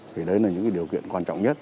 thì đấy là những điều kiện quan trọng nhất